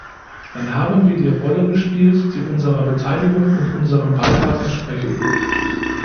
Dann haben wir die Rolle gespielt, die unserer Beteiligung und unserem Beitrag entsprechen.